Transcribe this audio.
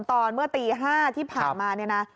ตอนเมื่อตี๕ที่ผ่านมาเนี่ยนะ